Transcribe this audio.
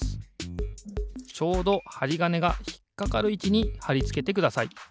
ちょうどはりがねがひっかかるいちにはりつけてください。